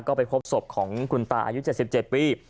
ก็ไปพบศพของคุณตาอายุ๗๗ปี